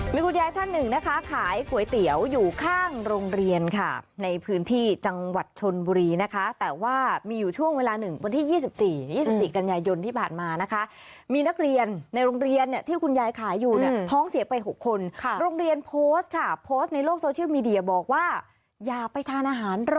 มีคุณยายท่านหนึ่งนะคะขายก๋วยเตี๋ยวอยู่ข้างโรงเรียนค่ะในพื้นที่จังหวัดชนบุรีนะคะแต่ว่ามีอยู่ช่วงเวลาหนึ่งวันที่๒๔๒๔กันยายนที่ผ่านมานะคะมีนักเรียนในโรงเรียนเนี่ยที่คุณยายขายอยู่เนี่ยท้องเสียไป๖คนโรงเรียนโพสต์ค่ะโพสต์ในโลกโซเชียลมีเดียบอกว่าอยากไปทานอาหารร